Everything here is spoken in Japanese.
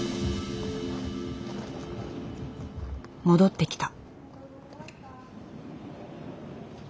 戻ってきた。